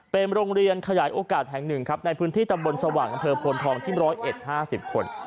เป็นโรงเรียนขยายโอกาสแห่งหนึ่งครับในพื้นที่ตำบลสว่างอำเภอโพนทองที่๑๐๑๕๐คน